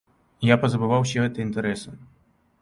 Я пазабываў усе гэтыя інтарэсы.